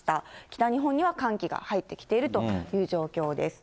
北日本には寒気が入ってきているという状況です。